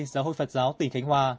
giáo hội phật giáo tỉnh khánh hòa